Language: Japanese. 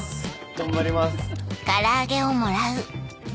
頑張ります。